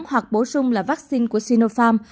hoặc bổ sung là vaccine của sinopharm